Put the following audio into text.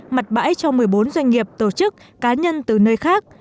mặt bãi cho một mươi bốn doanh nghiệp tổ chức cá nhân từ nơi khác